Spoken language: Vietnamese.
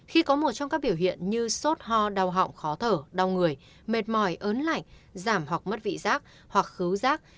khi có một trong các biểu hiện như sốt ho đau họng khó thở đau người mệt mỏi ớn lạnh giảm hoặc mất vị giác hoặc cứu rác